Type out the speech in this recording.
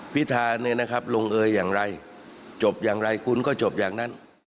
พิธาเนี่ยนะครับลงเอยอย่างไรจบอย่างไรคุณก็จบอย่างนั้น